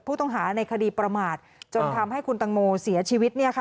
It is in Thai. ผู้ต้องหาในคดีประมาทจนทำให้คุณตังโมเสียชีวิต